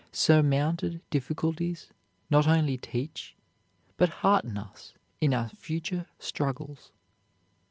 Surmounted difficulties not only teach, but hearten us in our future struggles.